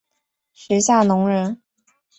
史夏隆人。